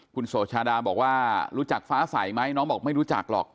คุณโสชาดาบอกว่ารู้จักฟ้าใสไหมน้องบอกไม่รู้จักหรอก